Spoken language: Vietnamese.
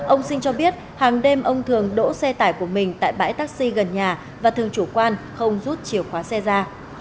ông sinh cho biết hàng đêm ông thường đỗ xe tải của mình tại bãi taxi gần nhà và thường chủ quan không rút chìa khóa xe ra